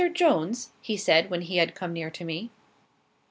Jones?" he said, when he had come near to me.